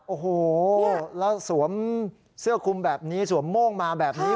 โอ้โหแล้วสวมเสื้อคุมแบบนี้สวมโม่งมาแบบนี้